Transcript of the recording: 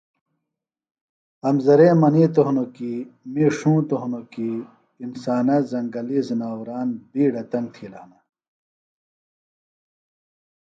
امزرے منیتوۡ ہنوۡ کی می ݜونتوۡ ہنوۡ کیۡ انسانہ زنگلی زناوران بیڈہ تنگ تِھیلہ ہِنہ